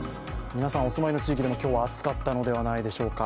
皆さんお住まいの地域でも今日は暑かったのではないでしょうか。